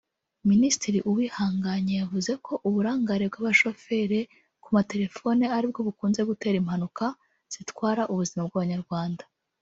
Minisitiri Uwihanganye yavuze ko uburangare bw’abashofere ku matelefone ari bwo bukunze gutera impanuka zitwara ubuzima bw’abanyarwanda